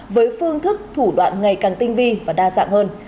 với phương thức thủ đoạn ngày càng tinh vi và đa dạng hơn